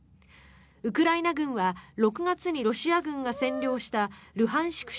ウクライナ軍は６月にロシア軍が占領したルハンシク